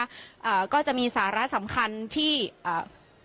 อ่าก็จะมีสาระสำคัญที่อ่า